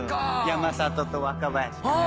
山里と若林がね。